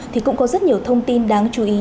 thì cũng có rất nhiều thông tin đáng chú ý